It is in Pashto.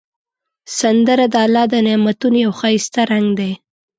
سندره د الله د نعمتونو یو ښایسته رنگ دی